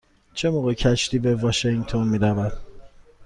چه موقع کشتی به واشینگتن می رود؟